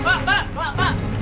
mbak mbak mbak mbak